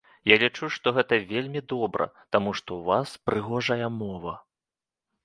Я лічу, што гэта вельмі добра, таму што ў вас прыгожая мова.